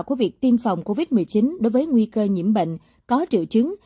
của việc tiêm phòng covid một mươi chín đối với nguy cơ nhiễm bệnh có triệu chứng